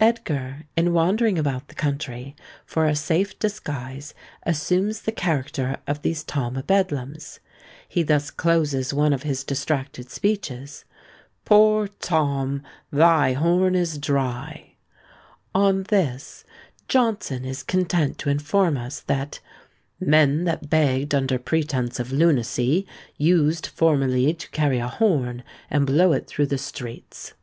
Edgar, in wandering about the country, for a safe disguise assumes the character of these Tom o' Bedlams; he thus closes one of his distracted speeches "Poor Tom, Thy horn is dry!" On this Johnson is content to inform us, that "men that begged under pretence of lunacy used formerly to carry a horn and blow it through the streets."